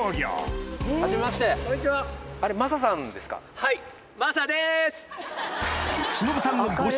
はい！